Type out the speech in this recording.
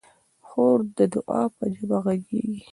خور د دعا په ژبه غږېږي.